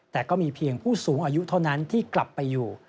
แต่ก็มีเพียงผู้สูงอายุเท่านั้นที่กลับไปอยู่